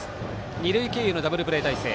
二塁経由のダブルプレー態勢。